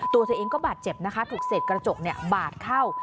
ตัวเธอเองก็บาดเจ็บนะคะถูกเศษกระจกบาดเข้า